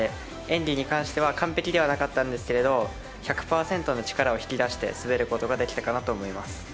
演技に関しては完璧ではなかったんですけど１００％の力を引き出して滑ることができたかなと思います。